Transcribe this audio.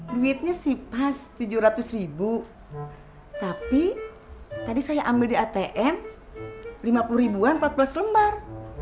duitnya sih pas tujuh ratus ribu tapi tadi saya ambil di atm lima puluh ribuan empat belas lembar